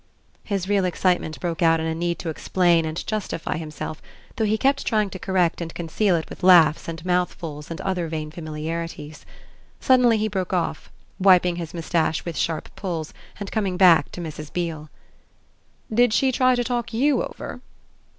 His real excitement broke out in a need to explain and justify himself, though he kept trying to correct and conceal it with laughs and mouthfuls and other vain familiarities. Suddenly he broke off, wiping his moustache with sharp pulls and coming back to Mrs. Beale. "Did she try to talk YOU over?"